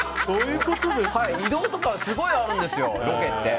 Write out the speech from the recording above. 移動とか、すごいあるんですよロケって。